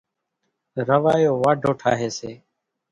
راوايو واڍو ٺاۿيَ سي۔